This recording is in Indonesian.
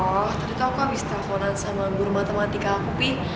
oh tadi tuh aku abis telponan sama guru matematika aku pih